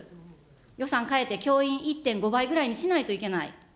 予算変えて、教員１．５倍ぐらいにしないといけない。